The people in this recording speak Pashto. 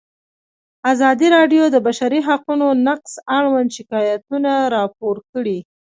ازادي راډیو د د بشري حقونو نقض اړوند شکایتونه راپور کړي.